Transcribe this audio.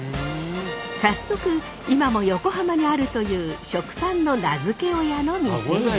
早速今も横浜にあるという食パンの名付け親の店へ。